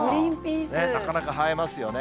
なかなか映えますよね。